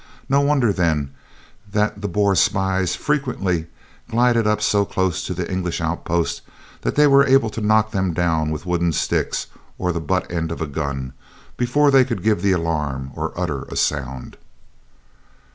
No wonder, then, that the Boer spies frequently glided up so close to the English outposts that they were able to knock them down with a wooden stick or the butt end of a gun before they could give the alarm or utter a sound!